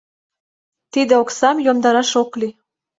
Тиде оксам йомдараш ок лий.